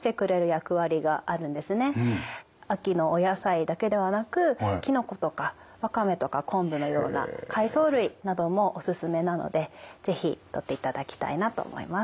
秋のお野菜だけではなくきのことかワカメとか昆布のような海藻類などもおすすめなので是非とっていただきたいなと思います。